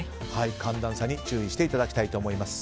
寒暖差に注意していただきたいと思います。